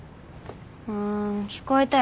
うん聞こえたよ。